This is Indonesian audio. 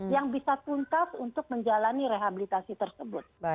yang bisa tuntas untuk menjalani rehabilitasi tersebut